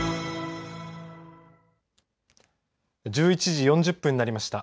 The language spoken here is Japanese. １１時４０分になりました。